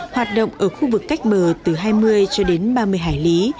hoạt động ở khu vực cách bờ từ hai mươi cho đến ba mươi hải lý